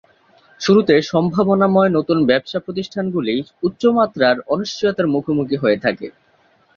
শুরুতে সম্ভাবনাময় নতুন ব্যবসা প্রতিষ্ঠানগুলি উচ্চমাত্রার অনিশ্চয়তার মুখোমুখি হয়ে থাকে।